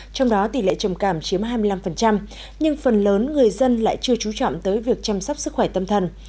trong đó tỷ lệ trầm cảm chiếm hai mươi năm nhưng phần lớn người dân lại chưa trú trọng tới việc chăm sóc sức khỏe tâm thần